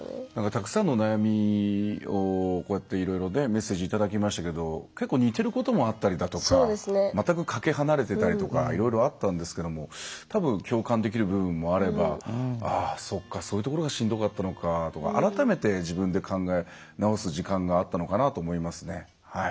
たくさんの悩みをこうやって、いろいろメッセージいただきましたけど結構似てることもあったりだとか全くかけ離れてたりとかいろいろあったんですけども共感できる部分もあればそういうところがしんどかったのかとか改めて自分で考え直す時間があったのかなと思いますね。